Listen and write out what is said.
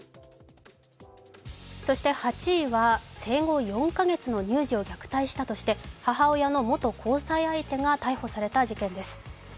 そして８位は生後４カ月の乳児を虐待したとして母親の元交際相手が逮捕された事件です。